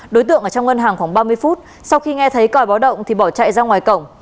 đối tượng ở trong ngân hàng khoảng ba mươi phút sau khi nghe thấy còi báo động thì bỏ chạy ra ngoài cổng